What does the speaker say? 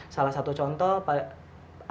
salah satu contoh